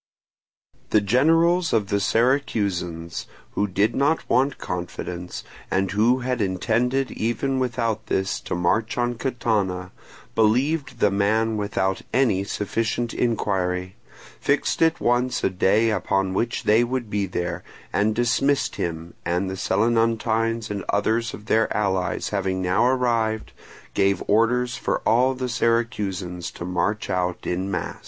The generals of the Syracusans, who did not want confidence, and who had intended even without this to march on Catana, believed the man without any sufficient inquiry, fixed at once a day upon which they would be there, and dismissed him, and the Selinuntines and others of their allies having now arrived, gave orders for all the Syracusans to march out in mass.